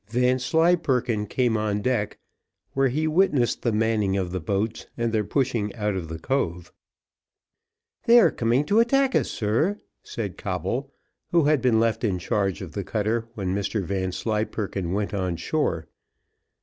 Vanslyperken came on deck, where he witnessed the manning of the boats, and their pushing out of the cove. "They are coming to attack us, sir," said Coble, who had been left in charge of the cutter when Mr Vanslyperken went on shore.